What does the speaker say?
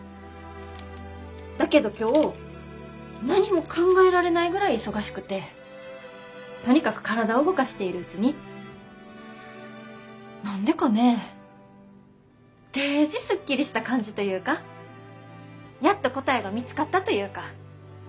だけど今日何も考えられないぐらい忙しくてとにかく体を動かしているうちに何でかねえデージスッキリした感じというかやっと答えが見つかったというか。